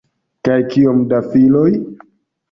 Kaj kiom da folioj?